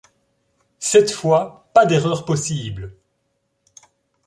Cette fois, pas d’erreur possible !